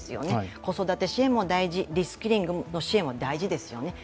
子育て支援も大事、リスキリング支援も大事です。